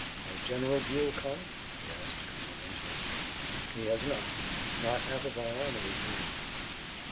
"Has General Buell come?" he asked Colonel Winchester. "He has not. Not half of our army is here."